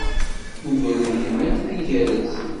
Mmugren-kem akken igerrez.